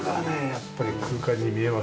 やっぱり空間に見えます。